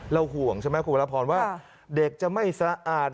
ห่วงใช่ไหมคุณวรพรว่าเด็กจะไม่สะอาด